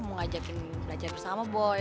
mau ngajakin belajar bersama boy